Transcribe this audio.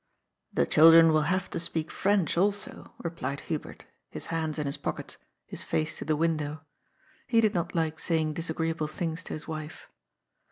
The children will have to speak French also," replied Hu bert, his hands in his pockets, his face to the window. He did not like saying disagreeable things to his wife.